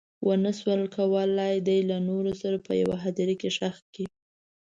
ونه شول کولی دی له نورو سره په یوه هدیره کې ښخ کړي.